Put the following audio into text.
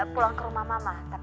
pulang ke rumah mama